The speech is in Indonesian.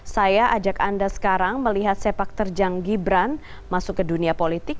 saya ajak anda sekarang melihat sepak terjang gibran masuk ke dunia politik